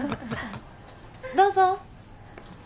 どうぞ。